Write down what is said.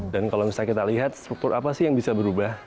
dan kalau misalnya kita lihat struktur apa sih yang bisa berubah